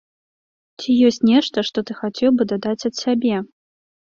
Ці ёсць нешта, што ты хацеў бы дадаць ад сябе?